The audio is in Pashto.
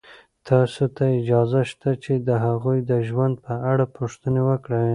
تاسو ته اجازه شته چې د هغوی د ژوند په اړه پوښتنې وکړئ.